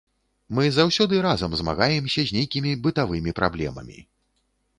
Мы заўсёды разам змагаемся з нейкімі бытавымі праблемамі.